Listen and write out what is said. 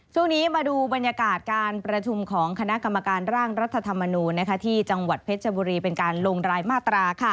ช่วงนี้มาดูบรรยากาศการประชุมของคณะกรรมการร่างรัฐธรรมนูลที่จังหวัดเพชรบุรีเป็นการลงรายมาตรา